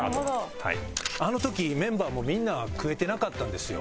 あの時メンバーもみんな食えてなかったんですよ。